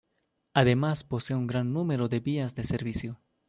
Además posee un gran número de vías de servicio.